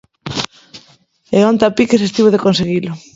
E onte a piques estivo de conseguilo.